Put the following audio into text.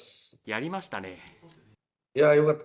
やりましたね？